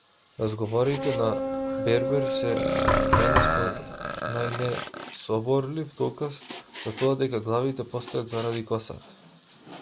Разговорите на бербер се најнесоборлив доказ за тоа дека главите постојат заради косата.